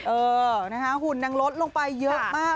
เออหุ่นนางรถลงไปเยอะมาก